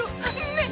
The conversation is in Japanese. ねっ？